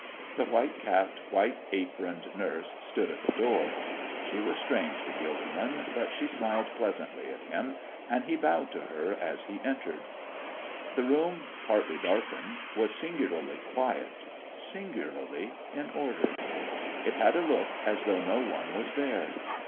The white capped, white aproned nurse stood at the door. She was strange to Gilderman, but she smiled pleasantly at him, and he bowed to her as he entered. The room, partly darkened, was singularly quiet, singularly in order. It had a look as though no one was there.